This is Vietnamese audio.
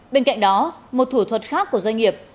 bên cạnh đó một thủ thuật khác của doanh nghiệp